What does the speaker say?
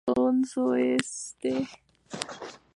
Fue diseñada en el estilo clasicista.